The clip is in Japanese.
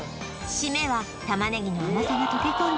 シメは玉ねぎの甘さが溶け込んだ